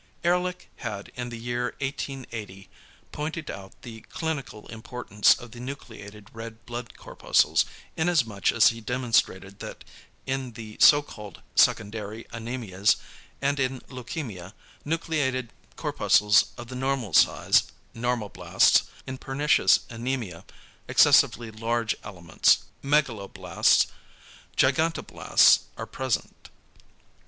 Ehrlich had in the year 1880 pointed out the clinical importance of the nucleated red blood corpuscles, in as much as he demonstrated that in the so called secondary anæmias, and in leukæmia, nucleated corpuscles of the normal size, "normoblasts"; in pernicious anæmia excessively large elements, "megaloblasts," "gigantoblasts" are present.